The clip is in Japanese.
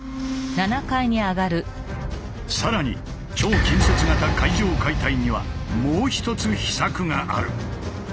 さらに超近接型階上解体にはもう一つ秘策がある。